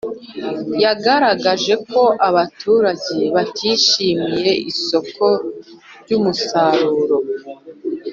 Yagaragaje ko abaturage batishimiye isoko ry ‘umusaruro.